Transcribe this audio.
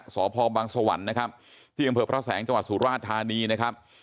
สพบังสวรรค์นะครับที่อำเภอพระแสงจังหวัดสุราชธานีนะครับ